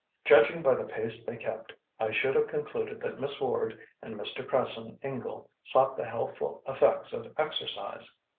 Judging by the pace they kept, I should have concluded that Miss Ward and Mr. Cresson Ingle sought the healthful effects of exercise.